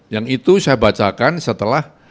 yang itu saya bacakan setelah